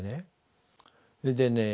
それでね